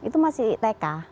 itu masih tk